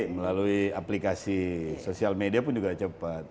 melalui aplikasi sosial media pun juga cepat